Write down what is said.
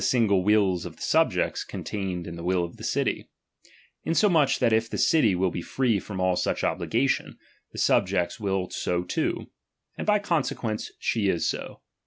single wills of the subjects are contained in the will of the city ; insomuch that if the city will be free from all such obligation, the subjects will so too ; and by consequence she is so.